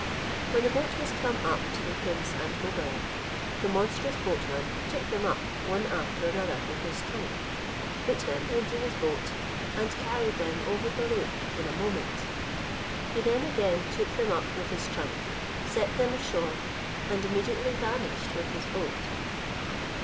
When the boat was come up to the prince and Mobarec, the monstrous boatman took them up one after another with his trunk, put them into his boat, and carried them over the lake in a moment. He then again took them up with his trunk, set them ashore, and immediately vanished with his boat.